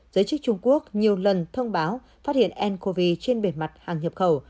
giới chức trung quốc nhiều lần thông báo phát hiện ncov trên bề mặt hàng nhập khẩu